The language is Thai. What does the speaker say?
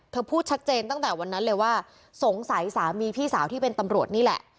พูดชัดเจนตั้งแต่วันนั้นเลยว่าสงสัยสามีพี่สาวที่เป็นตำรวจนี่แหละ